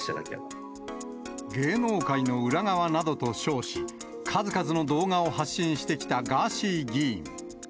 芸能界の裏側などと称し、数々の動画を発信してきたガーシー議員。